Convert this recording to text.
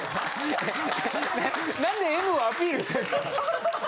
なんでＭをアピールするんですか？